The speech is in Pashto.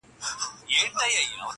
• چي هر څو یې زور کاوه بند وه ښکرونه -